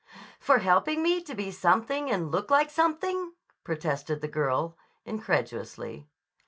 "For helping me to be something and look like something?" protested the girl incredulously.